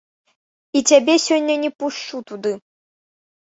І цябе сёння не пушчу туды.